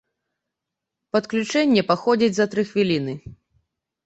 Падключэнне паходзіць за тры хвіліны.